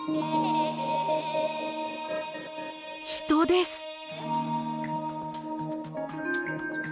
人です。